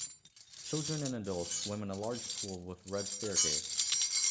Children and adults swim in large pool with red staircase